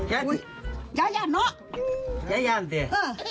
ยายโอ้โฮยายย่านเนอะยายย่านสิ